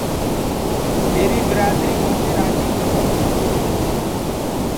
ميري برآدآر همآدي رآجي ڪونآ۔